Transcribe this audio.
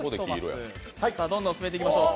どんどん進めていきましょう。